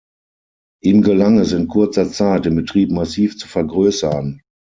Ihm gelang es in kurzer Zeit, den Betrieb massiv zu vergrößern.